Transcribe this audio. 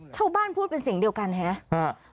ชาวบ้านพูดเป็นเสียงเดียวกันครับ